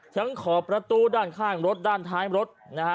ทั้งขอบประตูด้านข้างรถด้านท้ายข้างรถ